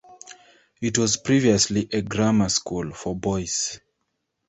It was previously a grammar school for boys.